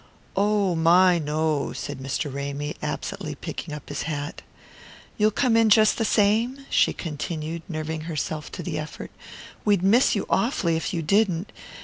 "Oh, my, no," said Mr. Ramy, absently picking up his hat. "You'll come in just the same?" she continued, nerving herself to the effort. "We'd miss you awfully if you didn't.